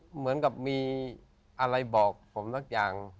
เหมือนกับมีอะไรบอกผมสักอย่าง